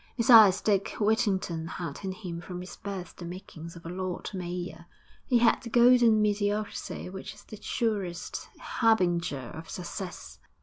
Besides, Dick Whittington had in him from his birth the makings of a Lord Mayor he had the golden mediocrity which is the surest harbinger of success.